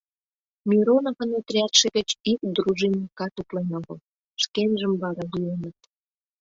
Мироновын отрядше гыч ик дружинникат утлен огыл, шкенжым вара лӱеныт...